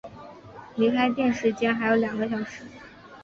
离开店时间还有两个小时